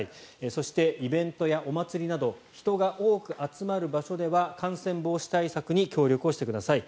そして、イベントやお祭りなど人が多く集まる場所では感染防止対策に協力をしてください。